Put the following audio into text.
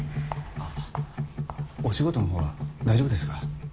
あお仕事の方は大丈夫ですか？